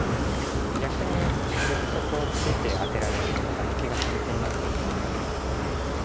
逆にそこを出てアテられるとまた抜きが先手になってしまうので。